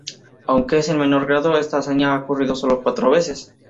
Aunque es en menor grado, esta hazaña ha ocurrido solo cuatro veces.